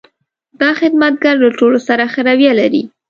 دا خدمتګر له ټولو سره ښه رویه لري.